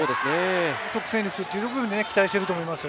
即戦力っていう部分で期待してると思います。